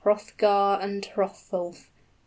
} Hrothgar and Hrothulf.